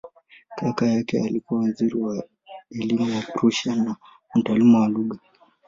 Kaka yake alikuwa waziri wa elimu wa Prussia na mtaalamu wa lugha.